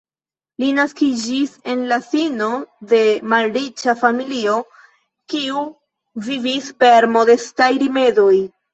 Li naskiĝis en la sino de malriĉa familio kiu vivis per modestaj rimedoj.